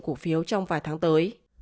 cổ phiếu trong vài tháng tới